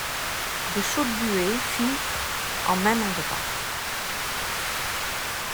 De chaudes buées filtrent en maint endroit.